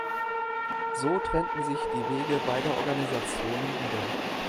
So trennten sich die Wege beider Organisationen wieder.